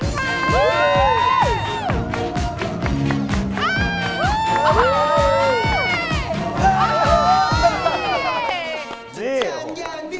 สวัสดีครับ